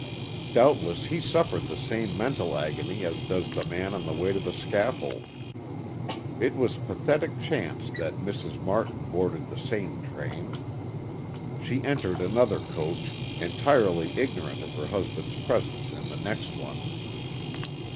Doubtless he suffered the same mental agony as does the man on the way to the scaffold. It was pathetic chance that Mrs. Martin boarded the same train. She entered another coach, entirely ignorant of her husband's presence in the next one.